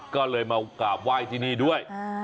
ก็เลยมากราบไหว้ที่นี่ด้วย